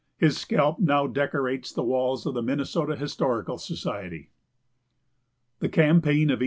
His scalp now decorates the walls of the Minnesota Historical Society. THE CAMPAIGN OF 1863.